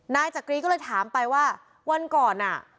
นายจักรีก็เลยถามไปว่าวันก่อนอ่ะ